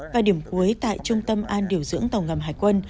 và điểm cuối tại trung tâm an điều dưỡng tàu ngầm hải quân